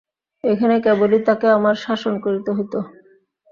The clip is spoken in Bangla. এইখানে কেবলই তাকে আমার শাসন করিতে হইত।